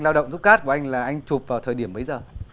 lao động xúc cát của anh là anh chụp vào thời điểm mấy giờ